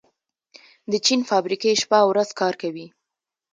د چین فابریکې شپه او ورځ کار کوي.